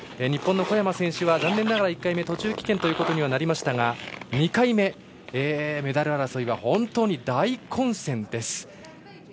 日本の小山選手は残念ながら１回目途中棄権ということになりましたが２回目、メダル争いは本当に大混戦です。